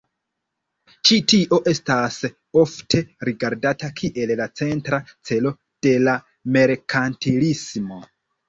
Ĉi tio estas ofte rigardata kiel la centra celo de la merkantilismo.